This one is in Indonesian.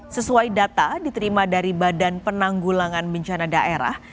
sesuai data diterima dari badan penanggulangan bencana daerah